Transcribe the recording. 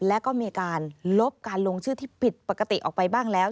และก็มีการลบการลงชื่อที่ผิดปกติออกไปบ้างแล้ว